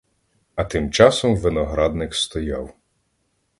А тим часом виноградник стояв.